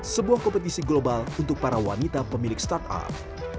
sebuah kompetisi global untuk para wanita pemilik startup